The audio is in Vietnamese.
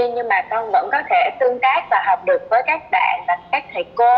nhưng mà con vẫn có thể tương tác và học được với các bạn và các thầy cô